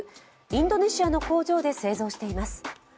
インドネシアの工場で製造しています。